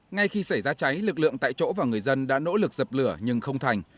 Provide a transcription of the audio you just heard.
ngay khi xảy ra cháy lực lượng tại chỗ và người dân đã nỗ lực dập lửa nhưng không thành